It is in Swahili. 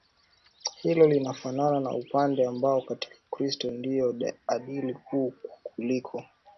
Hilo linafanana na upendo ambao katika Ukristo ndio adili kuu kuliko